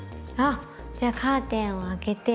あっじゃあカーテンを開けて。